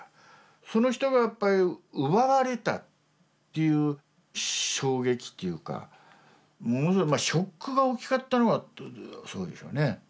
その人がやっぱり奪われたっていう衝撃っていうかものすごいショックが大きかったのが。